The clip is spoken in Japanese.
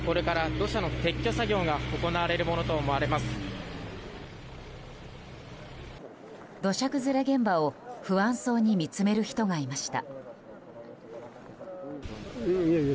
土砂崩れ現場を不安そうに見つめる人がいました。